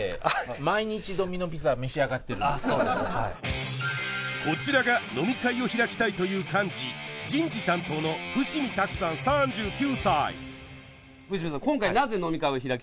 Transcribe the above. はいあっあっそうですねはいこちらが飲み会を開きたいという幹事人事担当の伏見卓さん３９歳伏見さんはいええ